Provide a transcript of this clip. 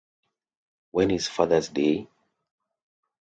When is Father's Day?